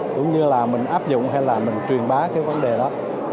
cũng như là mình áp dụng hay là mình truyền bá cái vấn đề đó